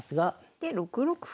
で６六歩。